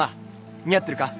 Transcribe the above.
似合ってるか。